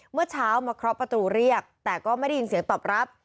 เมื่อเช้ามาเคาะประตูเรียกแต่ก็ไม่ได้ยินเสียงตอบรับ